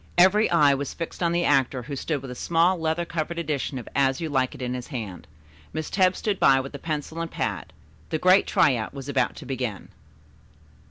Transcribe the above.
Every eye was fixed on the actor, who stood with a small leather covered edition of "As You Like It" in his hand. Miss Tebbs stood by with a pencil and pad. The great try out was about to begin.